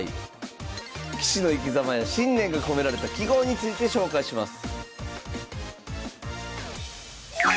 棋士の生きざまや信念が込められた揮毫について紹介します